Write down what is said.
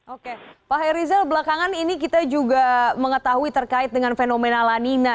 oke pak hairizal belakangan ini kita juga mengetahui terkait dengan fenomena lanina